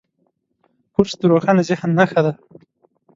کورس د روښانه ذهن نښه ده.